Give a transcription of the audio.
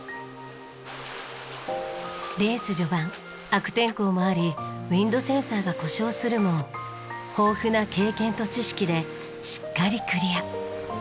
レース序盤悪天候もありウィンドセンサーが故障するも豊富な経験と知識でしっかりクリア。